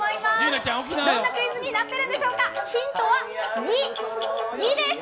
どんなクイズになっているんでしょうか、ヒントは２です。